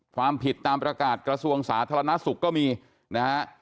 ความผิดตามประกาศกระทรวงสาธารณสุขก็มีนะฮะ